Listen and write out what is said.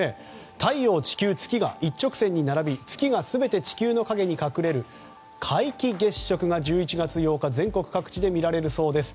太陽、地球、月が一直線に並び月が全て地球の陰に隠れる皆既月食が１１月８日全国各地で見られるそうです。